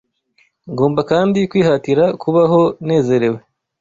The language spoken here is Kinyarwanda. ngomba kandi kwihatira kubaho nezerewe